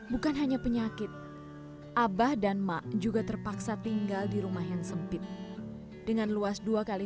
bukan hanya penyakit abah dan mak juga terpaksa tinggal di rumah yang sempit dengan luas dua kali